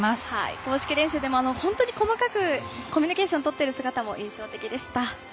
公式練習でも本当に細かくコミュニケーションをとっている姿も印象的でした。